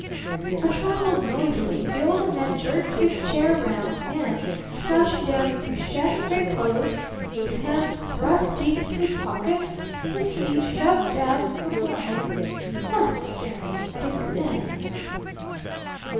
A trifle noisily the Older Man jerked his chair around and, slouching down into his shabby gray clothes, with his hands thrust deep into his pockets, his feet shoved out before him, sat staring at his companion.